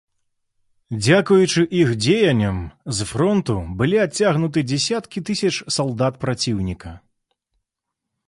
Дзякуючы іх дзеянням, з фронту былі адцягнуты дзесяткі тысяч салдат праціўніка.